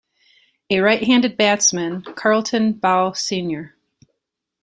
A right-handed batsman, Carlton Baugh Snr.